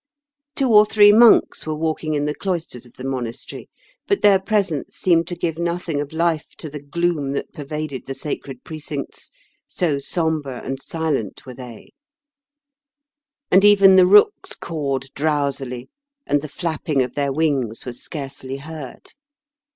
Two or three monks were walking in the cloisters of the monastery, but their presence seemed to give nothing of life to the gloom that pervaded the sacred precincts, so sombre and silent were they; and even the rooks cawed drowsily, and the flapping of their wings was scarcely heard.